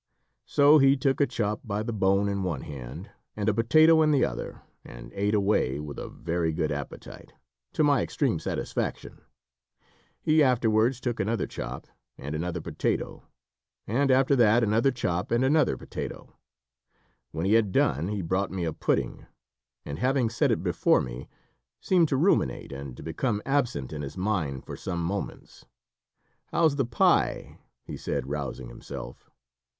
So he took a chop by the bone in one hand, and a potato in the other, and ate away with a very good appetite, to my extreme satisfaction. He afterwards took another chop, and another potato; and after that another chop, and another potato. When he had done, he brought me a pudding, and having set it before me, seemed to ruminate, and to become absent in his mind for some moments. "How's the pie?" he said, rousing himself.